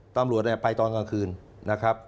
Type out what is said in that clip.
ตำรวจเนี่ยไปตอนกลางคืนนะครับ